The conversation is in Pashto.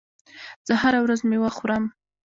زه هره ورځ میوه خورم.